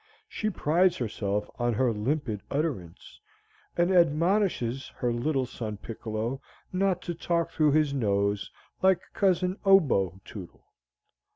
She prides herself on her limpid utterance, and admonishes her little son Piccolo not to talk through his nose like Cousin Oboe Tootle.